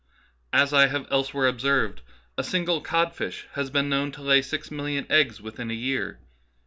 As I have elsewhere observed, " a single codfish has been known to lay six million eggs within a year.